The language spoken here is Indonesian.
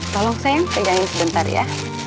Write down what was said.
tolong saya pegangin sebentar ya